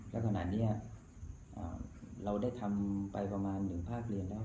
และขนาดเนี่ยเราได้ทำไปประมาณหนึ่งภาคเรียนแล้ว